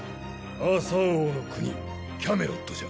アーサー王の国キャメロットじゃ。